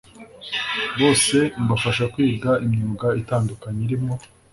Bose mbafasha kwiga imyuga itandukanye irimo